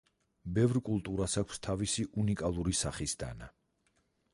ბევრ კულტურას აქვს თავისი უნიკალური სახის დანა.